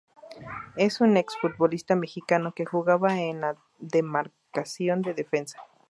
Es un ex futbolista mexicano que jugaba en la demarcación de defensa.